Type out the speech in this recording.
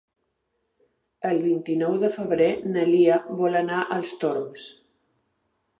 El vint-i-nou de febrer na Lia vol anar als Torms.